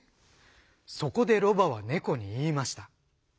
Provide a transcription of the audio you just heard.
そこでロバはネコにいいました。